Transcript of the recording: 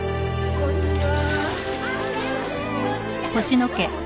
こんにちは。